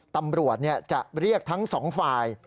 ตำรวจจะเรียกทั้งสองฝ่าย